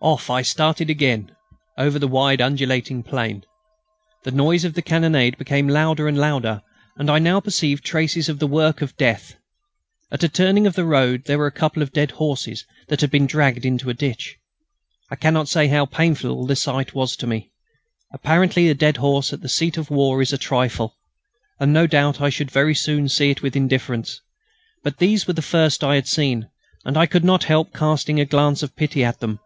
Off I started again over the wide undulating plain. The noise of the cannonade became louder and louder, and I now perceived traces of the work of death. At a turning of the road there were a couple of dead horses that had been dragged into the ditch. I cannot say how painful the sight was to me. Apparently a dead horse at the seat of war is a trifle, and no doubt I should very soon see it with indifference. But these were the first I had seen, and I could not help casting a glance of pity at them.